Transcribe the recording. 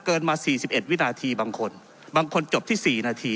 มา๔๑วินาทีบางคนบางคนจบที่๔นาที